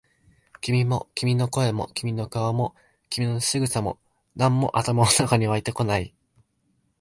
君も、君の声も、君の顔も、君の仕草も、何も頭の中に湧いてこない。